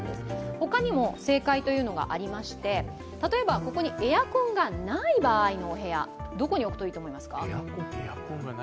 他にも正解がありまして、例えばここにエアコンがない場合のお部屋どこに置くといいと思いますか？